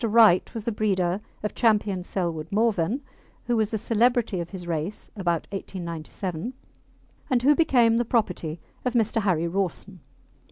Wright was the breeder of Champion Selwood Morven, who was the celebrity of his race about 1897, and who became the property of Mr. Harry Rawson.